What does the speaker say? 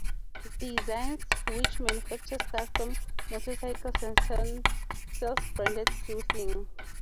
Designs, which manufactures custom motorcycles and sells branded clothing.